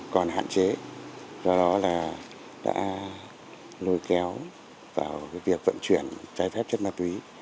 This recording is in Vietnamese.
còn hạn chế do đó là đã lôi kéo vào việc vận chuyển trái phép chất ma túy